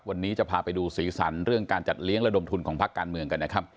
วันนี้จะพาไปดูสีสันเรื่องการจัดเลี้ยงระดมทุนของพักการเมืองกันนะครับ